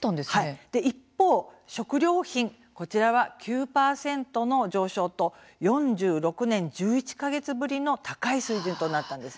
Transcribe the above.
一方、食料品こちらは９％の上昇と４６年１１か月ぶりの高い水準となったんです。